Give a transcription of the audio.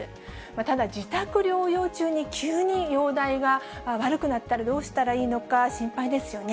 ただ、自宅療養中に急に容体が悪くなったら、どうしたらいいのか心配ですよね。